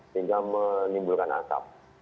sehingga menimbulkan asap